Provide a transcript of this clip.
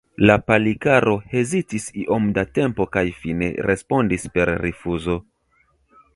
La Palikaro hezitis iom da tempo kaj fine respondis per rifuzo.